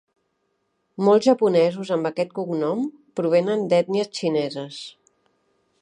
Molts japonesos amb aquest cognom provenen d'ètnies xineses.